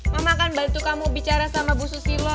mama akan bantu kamu bicara sama bu susilo